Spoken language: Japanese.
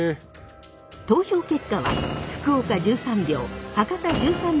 投票結果は福岡１３票博多１３票の同数。